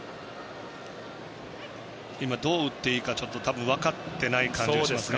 今、どう打っていいか分かっていない感じがしますね